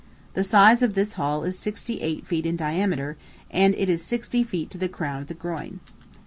The size of this hall is sixty eight feet in diameter, and it is sixty feet to the crown of the groin."